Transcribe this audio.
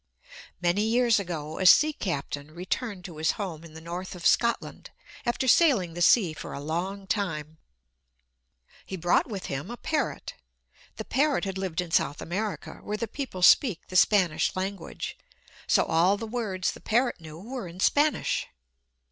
Many years ago a sea captain returned to his home in the north of Scotland, after sailing the sea for a long time. He brought with him a parrot. The parrot had lived in South America, where the people speak the Spanish language. So all the words the parrot knew were in Spanish.